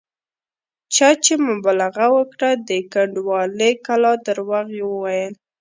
چا چې مبالغه وکړه د کنډوالې کلا درواغ یې وویل.